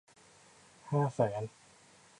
ห้าแสน